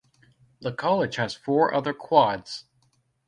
The college has four other quads.